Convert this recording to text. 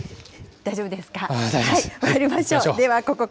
大丈夫ですか。